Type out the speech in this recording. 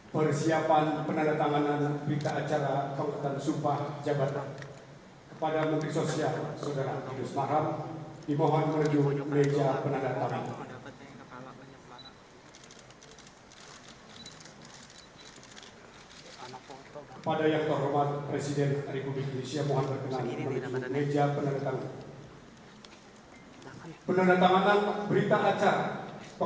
bersiapan penandatanganan berita acara